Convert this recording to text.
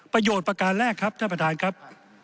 ประโยชน์ประการแรกครับท่านประธานครับ